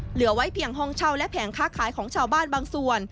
เหลือไว้เพียงห้องเช่าและแผงค้าขายของชาวบ้านบางส่วน